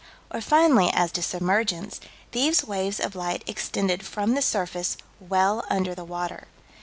Or finally as to submergence "These waves of light extended from the surface well under the water."